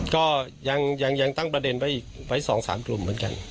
ก็ยังตั้งประเด็นไว้อีกไว้๒๓กลุ่มเหมือนกัน